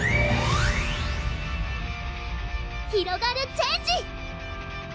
ひろがるチェンジ！